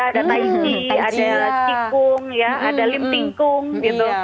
ada tai chi ada chikung ada limpingkung gitu